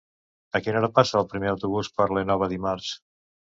A quina hora passa el primer autobús per l'Énova dimarts?